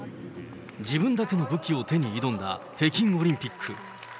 自分だけの武器を手に挑んだ北京オリンピック。